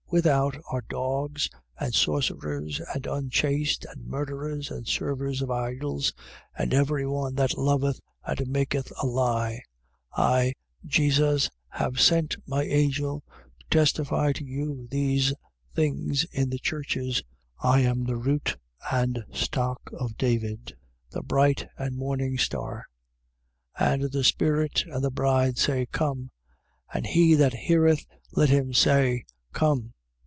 22:15. Without are dogs and sorcerers and unchaste and murderers and servers of idols and every one that loveth and maketh a lie. 22:16. I, Jesus, have sent my angel, to testify to you these things in the churches. I am the root and stock of David, the bright and morning star. 22:17. And the spirit and the bride say: Come. And he that heareth, let him say: Come.